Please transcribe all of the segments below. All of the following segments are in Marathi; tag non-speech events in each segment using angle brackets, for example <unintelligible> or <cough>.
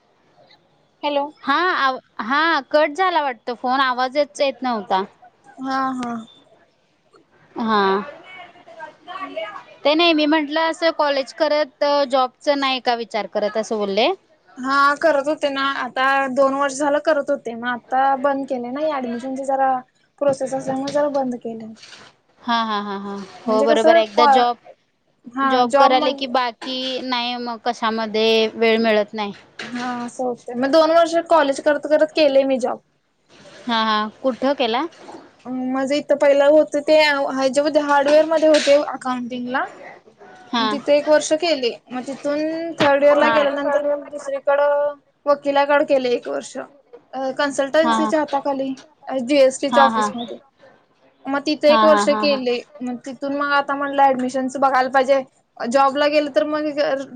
<inaudible> हॅलो. हां हां कट झाला वाटत फोन आवाजचं येत नव्हता. हा हा <unintelligible> हां. ते नाही मी म्हंटलं अस कॉलेज करत, जॉबच नाही का विचार करत असं बोलले, हा करत होते, ना आता दोन वर्ष झालं करतत ते मग आता बंद केलंय ना ऍडमिशनचं जरा प्रोसेस असल्यामुळे जरा बंद केलंय. हां हां हां हो बरोबर एकदा जॉब हा जॉब म कराले की बाकी की नाही मग कशामध्ये वेळ मिळत नाही. हां मग असं होतंय मग दोन वर्ष कॉलेज करत करत केले, मी जॉब हा हा कुठं केला? माझं इथं पहिलं होत ते ह्याच्या मध्ये हार्डवेअर मध्ये होते अकाउंटिंगला. हा म तिथे एक वर्ष केली मग तिथून थर्डइयर ला हा हा गेल्यानंतर तर मग दुसरीकड वकिलाकडं केल मग एक वर्ष, कॉन्सलटिंग कॅन्सलिटिंग हा च्या हाताखाली खाली जीएसटीच्या हा ऑफिस म हा मग तिथ एक हा वर्ष हा हा केले. मग तिथून मग आता म्हटलं ऍडमिशनच बघायला पाहिजे. जॉबला गेलं तर मग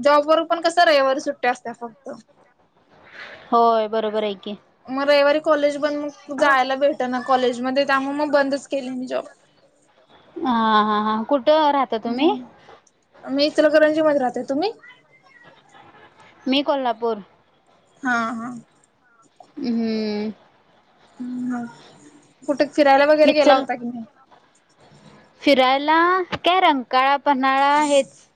जॉबवर पण कस रविवारी सुट्टी असत्या फक्त होय बरोबर आहे की. मग रविवारी कॉलेज बंद. मग जायला भेट ना कॉलेजमध्ये त्यामुळे मग बंदच केले मी जॉब हा हा हा कुठं राहता तुम्ही मी इचलकरंजी मध्ये राहते तुम्ही मी कोल्हापूर. हा हा. हम्म. ह कुठे फिरायला वगैरे गेला इचल होता की नाही. फिरायला काय रंकाळा पन्हाळा हेच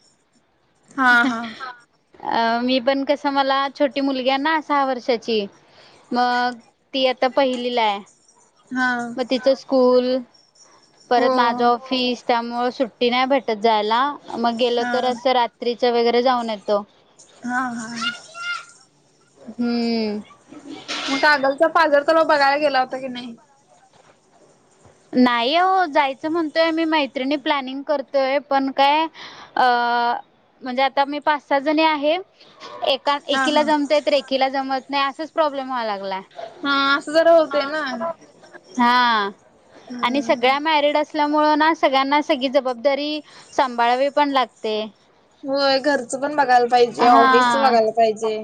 हा हा अ मी पण कसं मला छोटी मुलगी आहे ना सहा वर्षाची मग ती आता पहिलीला हाय. हां. मग तिचं स्कूल. हो परत माझं ऑफिस त्यामुळे सुट्टी नाही भेटत जायला मग गेलं हा तर असं रात्र त्रीच वगैरे जाऊन येतो. <unintelligible> हा हा. हम्म. मग कागलचा पाजर तलाव बघायला गेला होता की नाही? नाही अहो जायचं म्हणतोय आम्ही मैत्रिणी प्लॅनिंग करतोय पण काय अ म्हणजे आता आम्ही पाच सहा जणी आहे. कारण हा एकीला हा जमतय तर एकीला जमत नाही. असाच प्रॉब्लेम व्हायला लागलाय. हा असं जरा <unintelligible> होते ना हा आणि सगळ्या मॅरीड असल्यामुळे ना सगळ्यांना सगळी जबाबदारी सांभाळावी पण लागते. हो घरचं पण बघायला पाहिजे ऑफिसच बघायला पाहिजे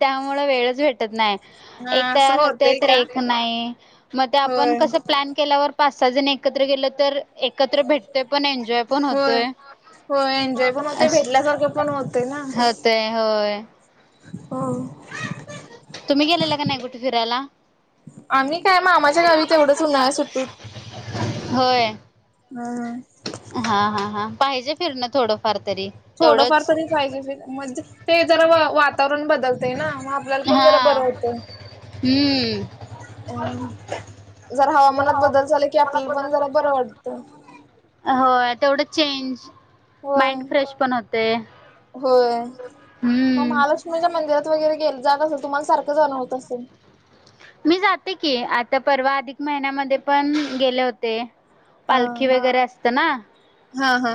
त्यामुं वेळच भेटत नाही हा एक असं तयार होते होतय तर का एक नाही मग होय ्ल केल्या पाच सहा एकत्र गे तर एक्र भेटण पण होय होतोय होय एन्जॉय पण होते भेटल्यासारखं पण होते ना ते होय हो तुम्ही गेलेला का नाही कुठे फिरायला आम्ही काय मा मामाच्या गावीत एवढंच उन्हाळ्या सुट्टीत होय हम् हा हा हा पाहिजे फिरणं थोडंफार तरी थोडंफार तेवढंच तरी पाहिजेि म्हणजे ते जरा वातावरण बदलते ना तला पण हा जरा बर होत हम्म अ जर हवामानात बदल झाला कि आपल्याला पण जरा बरं वाटत होय तेवढं चेंज होय माइंड फ्रेश पण होते होय मग हम्म. महालक्ष्मीच्या मंदिरात वगैरे गेल जाग असेल तुम्हाला सारखं जाणं होत असेल मी जाते की आता परवा अधिक महिन्यामध्ये पण गेले होते ते हा पालखी वगैरे असत ना हा हा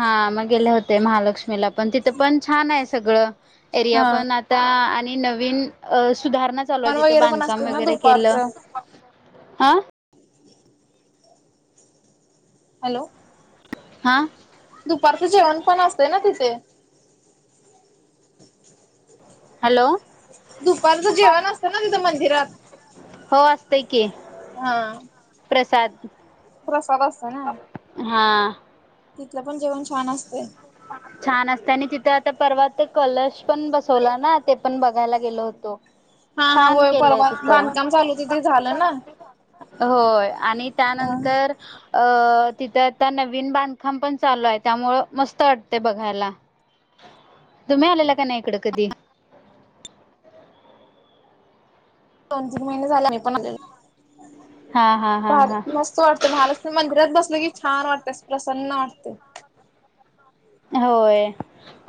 हा मग गेले होते महालक्ष्मीला पण तिथं पण छान आहे सगळं एरिया हा पण आ ता आणि नवीन अ सुधारणा चालूवा आहे पण तिथं वगैरे पण बांधकाम असते ना वगैरे केलं दुपारचं आा हॅलो हा दुपारचं जेवण पण असते ना तिथे हॅलो दुपारच जेवण असतं ना तिथं मंदिरात हो हा प्रसााद प्रसाद असतो ना हा तिथलं पण जेवण छान असतय छान असतय आणि तिथं आता परवा तर कलश पण बसवला ना ते पण बघायला गेलो होतो हा हा छान होय केलंय परवा तिथं बांधकाम चालू होतं ते झालं ना. होय आणि त्यानंतर अ तिथं आता नवीन बांधकाम पण चालू आहे त्यामुळ मस्त तटते बघायला तुम्ही आलेला का नाही इकड कधी दोन तीन महिने झाले मी पण म्हणजे हा हा हा फार हा मस्त वाटतय महालक्ष् मंदिरात बसल की छान वाटतय असं प्रसन्न वाटतय होय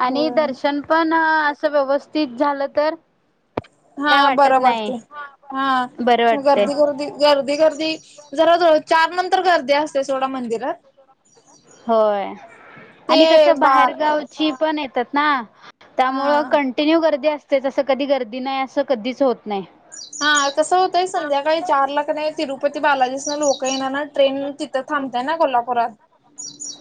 आणि हम्म. दर्शन पण असं व्यवस्थित झालं तर हा काय वाटत बरं नाही वाटतय हा बरं वाटतंय गर्दी गर्दी गर्दी गर्दी जरा जो चार नंतर गर्दी असते सोडा मंदिरात होय ते आणि कस बार बाहेरगावची पण येतात ना हा त्यामुंळ कंटि कंटिन्यू गर्दी असतेच असं कधी गर्दी नाही असं कधीच होत नाही हा कसं होतंय संध्याकाळी चारला क नाही तिरुपती बालाजीसन लोक काही ना ट्रेन तिथं थांबत्या ना कोल्हापुरात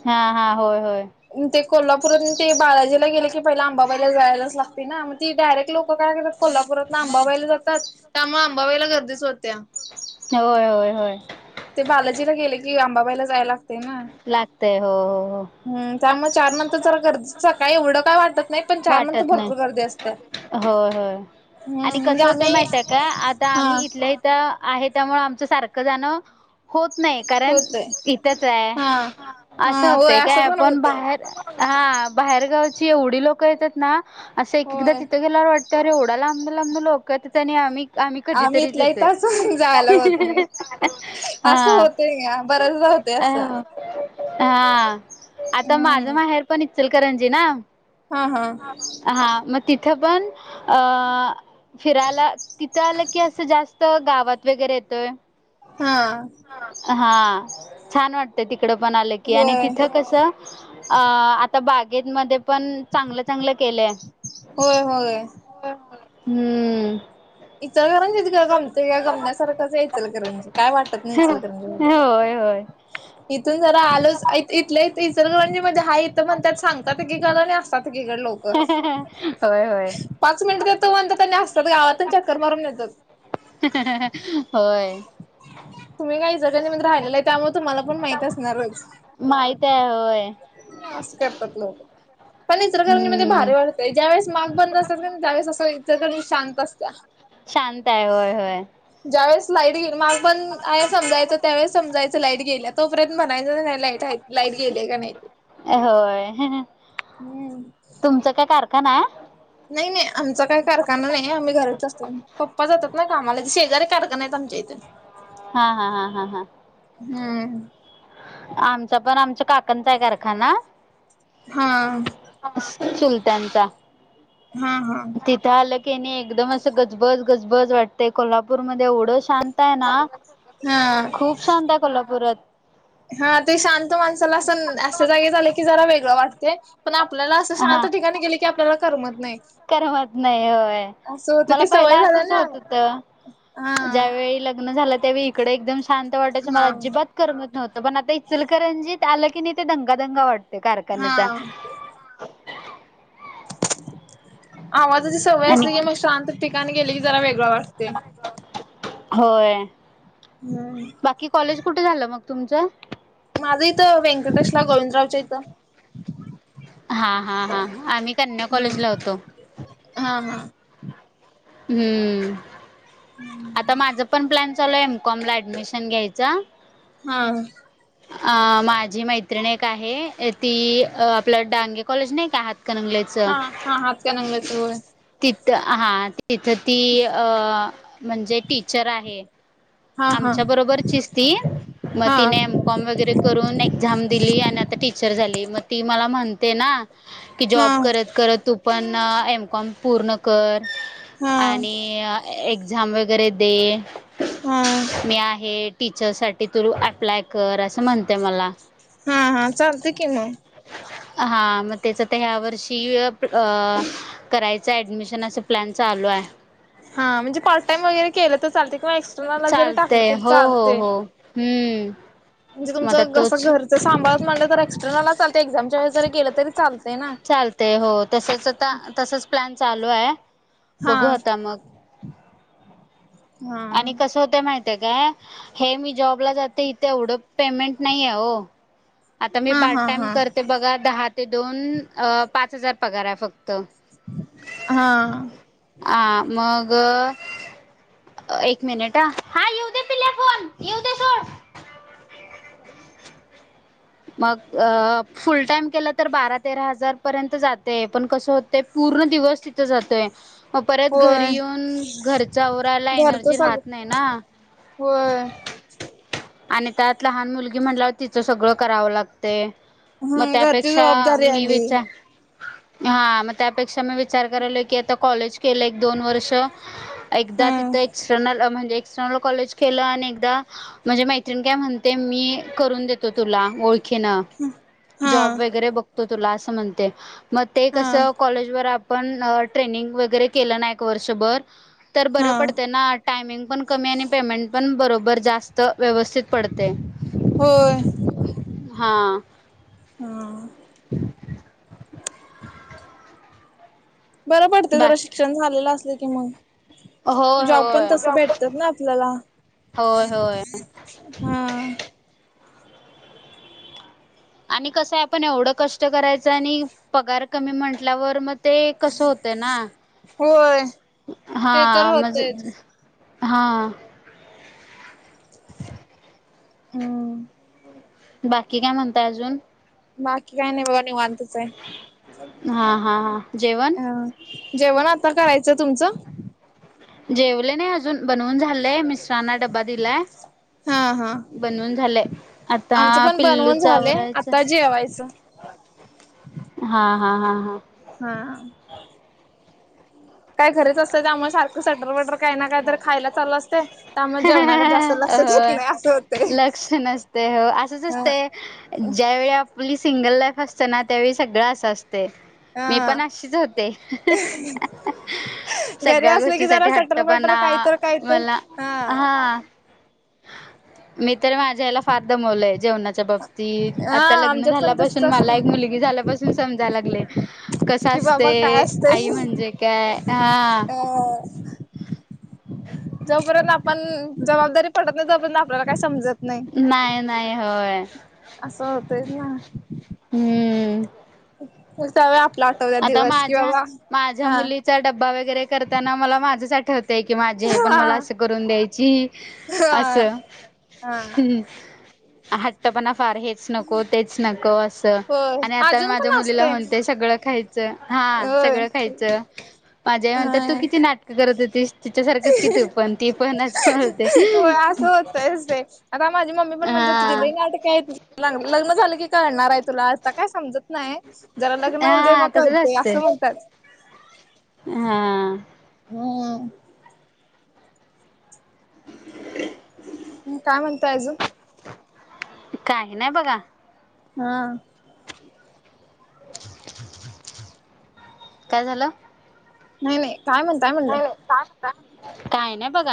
हा हा होय होय ते कोल्हापूरात ते बालाजीला गेले की पहिला अंबाबाईला जायलाच लागतय ना मग ती डायरेक्ट लोक काय करतात कोल्हापुरातन आंबाबाईला जातात त्यामुळे आंबाबाईला गर्दीच होत्या होय होय होय ते बालाजीला गेले की अंबाबाईला जायला लागतय हो हो हो. हम् त्यामूळ चार नंतर जरा गर्दीच सकाळी एवढं काय वाटत नाही पण चार नंतर वाटत नाही. भरपूर गर्दी असत्या. होय होय आणि कसं होतंय माहिताय काय आता हा आम्ही इथल्या इथं इथं आहे त्यामुळे आमच सारखं जाण होत नाही कारण होतय इथ काय हा. अस हा होय होतय असं काय पण होतय बाहे हा बाहेरगावची एवढी लोकं येतात ना असं एक एकदा होय. तिथं गेल्यावर वाटत तर एवढं लांबनं लांबनं लोक येत्यात आणि आम्ही आम्ही कधीतरीच इथल्या येतोय इथं असून जायला होत नाही हा. ते अ असं हा आता माझं हम्म माहेर पण इचलकरंजी ना. हा हा. हा मग तिथं पण अ अ फिरायला तिथं आलं की असं जास्त गावात वगैरे येतोय. हा. हा छान वाटत तिकडं पण आलं की आणि होय तिथं कसं अ आता बागेतमध्ये पण चांगलं चांगलं केलय होय होय हम्म इचलकरंजीत गमतय काय गमण्यासारखंच आहे इचलकरंजी काय वाटत नाही इचलकरंजीमध्ये होय, होय. इथून जरा आलोच इथल्या इथ इचलकरांजी म्हणजे हे इथं म्हणयात सांगतात एकीकड असतातकडे एकीकड लोक. होय, होय. पाच मिनिटात येतो म्हणतात त्यांनी असतात गावात न चक्कर मारून येतात. होय. तुम्ही काही जगांनमधी राहिलेलं आहे त्यामुळे तुम्हाला पण माहित असणारच. माहित आहे होय. असं करतात लोक. पण इतचलकरंजी मध्ये हम्म. भारी वाढतय ज्या वेळेस माग बंद असतात का त्यावेळेस असं इचलकरंजी शांत असत. शांत आहे होय होय. ज्यावेेळेस लाईटे गे माग बंद आहे समजायचं त्यावेळेस समजायचं लाईट गेल्या तोपर्यंत म्हणायचं नाही. लाईट आहे लाईट गेली का नाही ते हम्म. तुमच काय कार का नाय नाही नाही आमचा काही कारखाना नाही आम्ही घरच असतो पप्पा जातात ना कामाला ते शेजारी कारखाना्या आहेत आमच्या इथे. हा हा हा हा हा. हम्म. आमचा पण आमच्या काकांचा आहे कारखाना. हा. चुलत्यांचा हा हा. तिथ आलं की नाही एकदम असं गजबज गजबज वाटतंय कोल्हापूरमध्ये एवढं शांत आहे ना. हा खूप शांत आहे कोल्हापुरात. हा ते शांत माणसाला असं न अश्या जागेत आल्यावर जरा वेगळं वाटतंय पण आपल्याला असं हा शांत ठिकाणी गेले की आपल्याला करमत नाही. करमत नाही होय असं होत मला ते पहिलं सवय झालं असंच ना होत होत. हा ज्यावेळी लग्न झालं त्यावेळी इकडे एकदम शांत वाटायचं मला हा अजिबात करमत नव्हतं पण आता इचलकरंजीत आलं की नाही ते दंगा दंगा वाटत हा कारखान्याचा. आवाजाची सवय आणि असली की मग शांत ठिकाणी गेली की जरा वेगळं वाटतय. होय. हम्म. बाकी कॉलेज कुठे झालं मग तुमचं? माझं इथं व्यंकटेशला गोविंदरावच्या इथं. हा हा हा आम्ही कन्या हा कॉलेज ला होतो. हा ह. हम्म. हम्. <inaudible> आता माझं पण प्लॅन चालू आहे एम कॉम ला ऍडमिशन घ्यायचा. हा. <unintelligible> <inaudible> अ माझी मैत्रिणी एक आहे ती आपलं डांगे कॉलेज नाही का हातकरणंगलेत हा हा हातकरंगलेत होय. तिथ हा तिथ ती अ म्हणजे टीचर आहे. हा हा आमच्या बरोबरीचीच ती मग हा तीने एम कॉम वगैरे करून एक्झाम दिली आणि आता टीचर झाली मग ती मला म्हणते ना की हा जॉब करत करत तू पण एमकॉम पूर्ण कर. हा आणि एक्झाम वगैरे ते हा मी आहे टीचर साठी तु अप्लाय कर असं म्हणते मला. हा हा चालते की मग. हा मग तेच ते ह्या वर्षी अ करायचं ऍडमिशन असं प्लॅन चालू आहे. हां म्हणजे पार्टटाईम वगैरे केलं तर चालते कींवा एक्स चालतेय हो हो हो हम्म. म्हणजे मग आता तुमचं कसं तोच घरच सांबाळत म्हणलं तर एक्स्टर्नल चालते एक्झामच्या वेळी जरी गेलं तरी चालते ना. चालतेय हो,, तसच आता, तसच प्लॅन चालू आहे. हा बघू आता मग हा, आणि कसं होत माहितेय काय? हे मी जॉबला जाते, इथे एवढं पेमेंट नाही आहे ओ. आता मी हा पार्ट हा टाइम हा करते बघा दहा ते दोन, पाच हजार पगार आहे फक्त. हा, आं,, मग एक मिनिट ह, हा येऊ दे पिल्या फोन,, येऊ दे सोड. मग फुल टाइम केलं तर बारा तेरा हजार पर्यंत जातेय, पण कस ते पूर्ण दिवस तिथं जातोय. मग परत होय घरी येऊन, घरचा आवरायला घरचं एनर्जी सग राहत नाही ना. होय. आणि त्यात लहान मुलगी म्हणल्यावर तिचं सगळं करावं लागतय. मग ह घरची त्यापेक्षा, जबाबदारी मी आली विचार हा, मग त्यापेक्षा मी विचार करालोय की आता कॉलेज केलं एक दोन वर्ष एकदा हा तीथ एक्स्टर्नल अ म्हणजे एक्स्टर्नल कॉलेज केलं आणि एकदा म्हणजे मैत्रिणी काय म्हणते मी करून देतो तुला ओळ खिन हा जॉब वगैरे बघतो तुला असं म्हणते. मग ते हा कसं कॉलेज वर आपण ट्रेनिंग वगैरे केलं ना एक वर्षभर तर बरं हा पडते ना. टायमिंग पण कमी आणि पेमेंट पण बरोबर जास्त, व्यवस्थित पडतय. होय, हां, हो. ह <inaudible> बरं पडतं जरा शिक्षण झालेलं असलं की मग. होय जॉब पण तस होय भेटतात ना आपल्याला. होय होय हां. आणि कसंय आपण एवढं कष्ट करायचं आणि पगार कमी म्हटल्यावर मग ते कस होतय ना,, होय ते तर हा म्हजे होतेच हां, हं, बाकी काय म्हणताय अजून? बाकी काही नाही बगा,, निवांतच आहे. हा, हा, हा जेवण? ह, जेवण आता करायचं, तुमचं? जेवले नाही अजून,, बनवून झालेय, मिस्टरांना डब्बा दिलाय. हा हा बनवून झालंय,, आता आमचं पण बनवून पिल्लूच झालंय आवरायच. आता जेवायचं हा, हा, हा हा हां, काय घरीच असतोय,,, त्यामुळे सारखं सटर वटर काही ना काही तर खायला चालु असतय,, त्यामुळं मग जेवणाकडे जास्त लक्ष देत नाही असं होतय. ते असंच आसतय, ते ज्यावेेळेऽ आपली सिंगल लाईफ असते ना,, त्यावेळी सगळं असं असतय. मी पण हा अशीच होते,, घरी सगळ्या असले की जरा गोष्टीसाठी ह सटर बटर चटपणा काहीत काहीत मला,, हा हां,, मी तर माझ्या याला फार दमवलंय,, जेवणाच्या बाबतीत,, हा आता लग्न आमच्यात पण तसच झाल्यापसून मला एक असते मुलगी झाल्यापासून समजायला लागलेय. कस कि बाबा काय असतय,, आई असतंय म्हणजे काय? हां,, अ ह जोपर्यंत आपण, जबाबदारी पडत नाही तोपर्यंत आपल्याला काही समजत नाही. नाही, नाही, होय. असं होतय ना. हम्मळ उसाव आपलं आठवत्यात दिवस, कि बाबा, हां चा डब्बा वगैर करताना, मला माझंच आठवतय म्हणत्यां की माझी आई पण मला हा असं करून द्यायची असं. हा हा हट्ट पणा फार हेच हेच नको तेच नको असं होय आणि आता मी अजून माझ्या पण मुलीला असतय म्हणते सगळं खायच. हा होय सगळं खायचं माझी आई म्हणत्या तू हा किती नाटकं करत होतीस. तिच्यासारखंच कि तू पण ती पण आस बोलते. होय असं <inaudible> आता माझी मम्मी पण म्हणत्या तुझी हा लई नाटक आहेत लग्न झालं की कळणार आहे तुला आता काय समजत नाय. नाय जरा लग्न होऊ दे म हा तसच कळतंय असतय असं म्हणत्यात. हा हम <inaudible> हम काय म्हणताय अजून काही नाय बघा. हा काय झालं न्हाय न्हाय काय म्हणताय. नाही म्हणलं नाही सांग काय नाही बघा.